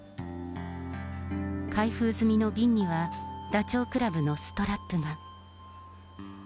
開封済みの瓶には、ダチョウ倶楽部のストラップが。